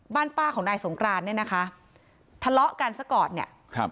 บ้านป้าของนายสงกรานเนี่ยนะคะทะเลาะกันซะก่อนเนี่ยครับ